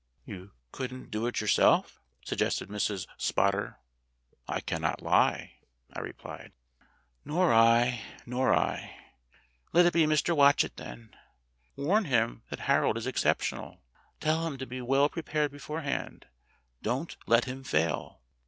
"You couldn't do it yourself ?" suggested Mrs. Spot ter. "I cannot lie," I replied. FAILURE OF PROFESSOR PALBECK 61 "Nor I, nor I. Let it be Mr. Watchet, then. Warn him that Harold is exceptional. Tell him to be well prepared beforehand. Don't let him fail."